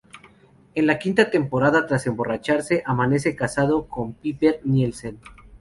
En la quinta temporada, tras emborracharse, amanece casado con Piper Nielsen.